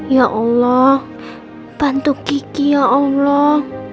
ya allah bantu kiki ya allah